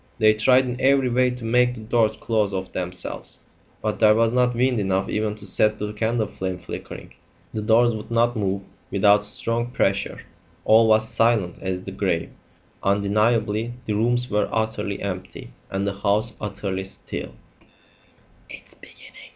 They tried in every way to make the doors close of themselves, but there was not wind enough even to set the candle flame flickering. The doors would not move without strong pressure. All was silent as the grave. Undeniably the rooms were utterly empty, and the house utterly still.